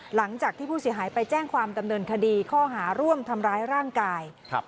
หลังจากที่ผู้เสียหายไปแจ้งความดำเนินคดีข้อหาร่วมทำร้ายร่างกายครับ